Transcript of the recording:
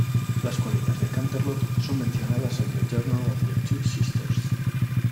Las colinas de Canterlot son mencionadas en "The Journal of the Two Sisters".